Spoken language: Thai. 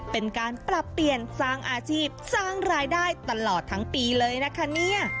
เป็นการปรับเปลี่ยนสร้างอาชีพสร้างรายได้ตลอดทั้งปีเลยนะคะเนี่ย